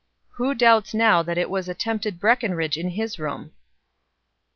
Who doubts now that it was attempted Breckenridge in his room?"